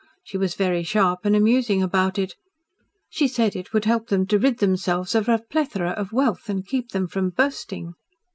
She was very sharp and amusing about it. She said it would help them to rid themselves of a plethora of wealth and keep them from bursting."